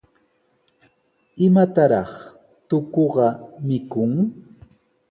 ¿Imataraq tukuqa mikun?